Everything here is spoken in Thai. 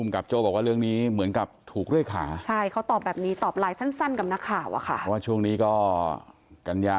คบากโปรบคุณผู้กำกับโปรบดูนี่เหมือนถูกด้วยครับ